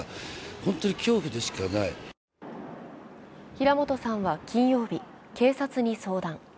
平本さんは金曜日、警察に相談。